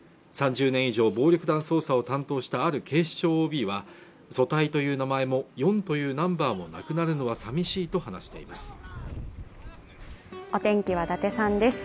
３０年以上暴力団捜査を担当したある警視庁ＯＢは組対という名前も四というナンバーもなくなるのは寂しいと話しています